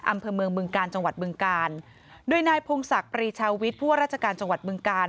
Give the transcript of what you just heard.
อำเภอเมืองบึงกาลจังหวัดบึงกาลโดยนายพงศักดิ์ปรีชาวิทย์ผู้ว่าราชการจังหวัดบึงกาล